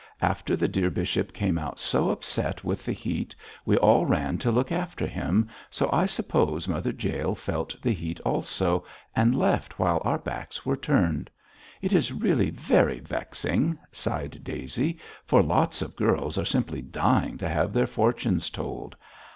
After the dear bishop came out so upset with the heat, we all ran to look after him, so I suppose Mother Jael felt the heat also, and left while our backs were turned. It is really very vexing,' sighed Daisy, 'for lots of girls are simply dying to have their fortunes told.